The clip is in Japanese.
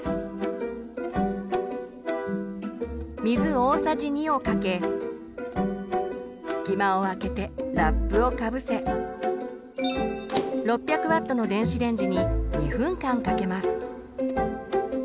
水大さじ２をかけ隙間をあけてラップをかぶせ６００Ｗの電子レンジに２分間かけます。